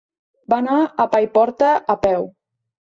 Va anar a Paiporta a peu.